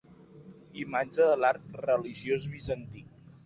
Imatge de l'art religiós bizantí.